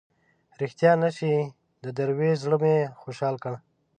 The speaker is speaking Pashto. ریښتیا نه شي د دروېش زړه مې خوشاله کړ.